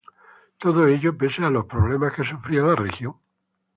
Todo ello pese a los problemas que sufría la región.